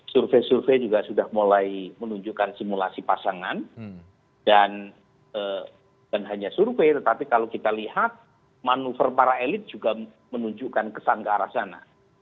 survei survei juga sudah mulai menunjukkan simulasi pasangan bukan hanya survei tetapi kalau kita lihat manuver para elit juga menunjukkan kesan ke arah sana